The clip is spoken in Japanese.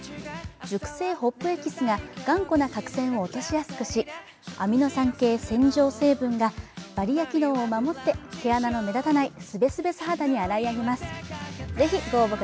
熟成ホップエキスが頑固な角栓を落としやすくしアミノ酸系洗浄成分がバリア機能を守って毛穴の目立たないすべすべ素肌に洗い上げます。